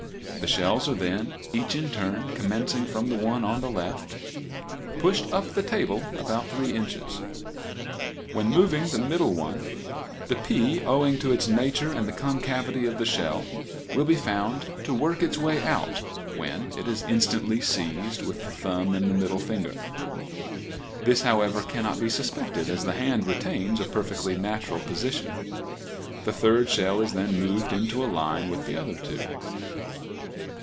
The shells are then, each in turn, commencing from the one on the left, pushed up the table about 3 in. When moving the middle one the pea, owing to its nature and the concavity of the shell, will be found to work its way out, when it is instantly seized with the thumb and middle finger. This, however, cannot be suspected, as the hand retains a perfectly natural position. The third shell is then moved into a line with the other two.